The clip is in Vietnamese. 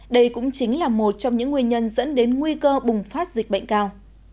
đây cũng chính là một trong những nguyên nhân dẫn đến nguy cơ bùng phát dịch bệnh cao